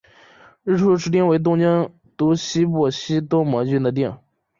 日之出町为东京都西部西多摩郡的町。